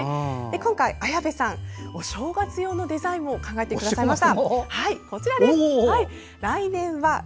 今回、綾部さんお正月用のデザインも考えてくださいました。